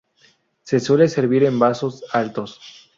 Se suelen servir en vasos altos.